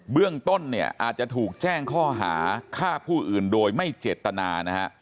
เบื้องต้นอาจจะถูกแจ้งข้อหาฆ่าผู้อื่นโดยไม่เจตนา